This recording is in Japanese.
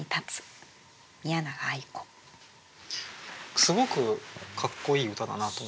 すごくかっこいい歌だなと思いました。